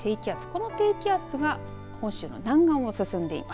この低気圧が本州の南岸を進んでいます。